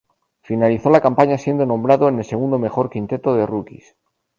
Finalizó la campaña siendo nombrado en el segundo mejor quinteto de rookies.